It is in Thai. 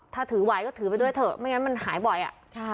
ถ้าถือไหวก็ถือไปด้วยเถอะไม่งั้นมันหายบ่อยอ่ะ